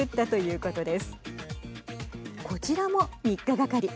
こちらも３日がかり。